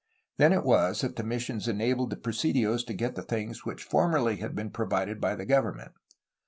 Then it was that ths missions enabled the presidios to get the things which formerly had been provided by the government.